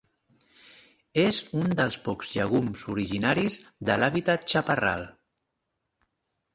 És un dels pocs llegums originaris de l'hàbitat chaparral.